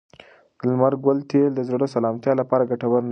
د لمر ګل تېل د زړه د سلامتیا لپاره ګټور نه دي.